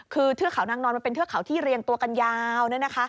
คือเทือกเขานางนอนมันเป็นเทือกเขาที่เรียงตัวกันยาว